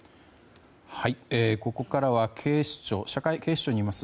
ここからは警視庁にいます